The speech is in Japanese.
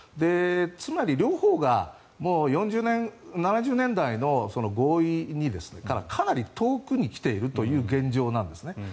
つまり、両方が７０年代の合意からかなり遠くに来ているという現状なんですね。